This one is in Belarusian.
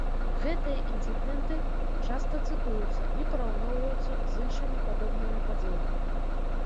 Гэтыя інцыдэнты часта цытуюцца і параўноўваюцца з іншымі падобнымі падзеямі.